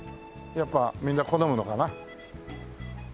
やっぱみんな好むのかな。